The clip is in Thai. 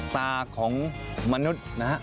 ตาของมนุษย์นะฮะ